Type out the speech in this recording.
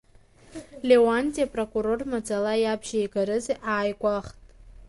Леуанти апрокурор маӡала иабжьеигарызи ааигәахәт.